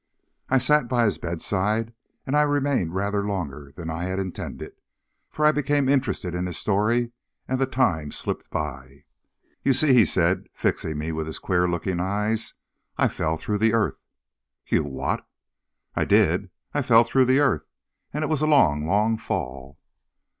I sat by his bedside, and I remained rather longer than I had intended, for I became interested in his story, and the time slipped by. "You see," he said, fixing me with his queer looking eyes, "I fell through the earth." "You what?" "I did. I fell through the earth, and it was a long, long fall."